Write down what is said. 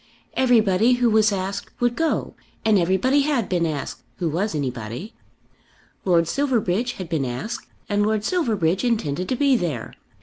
Everybody who was asked would go, and everybody had been asked, who was anybody. Lord Silverbridge had been asked, and Lord Silverbridge intended to be there.